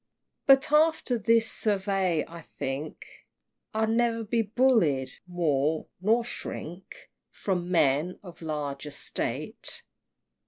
But after this survey, I think I'll ne'er be bullied more, nor shrink From men of large estate!